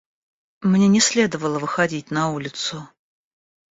Мне не следовало выходить на улицу.